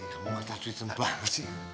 kamu ngasih duit yang banyak sih